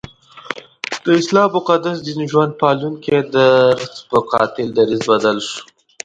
د اسلام مقدس دین ژوند پالونکی درځ پر قاتل دریځ بدل شو.